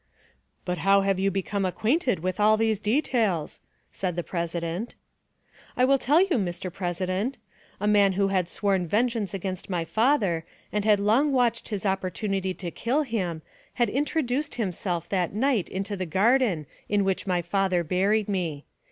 "But how have you become acquainted with all these details?" asked the president. "I will tell you, Mr. President. A man who had sworn vengeance against my father, and had long watched his opportunity to kill him, had introduced himself that night into the garden in which my father buried me.